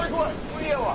無理やわ。